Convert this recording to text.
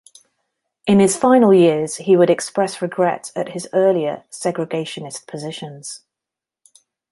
In his final years, he would express regret at his earlier segregationist positions.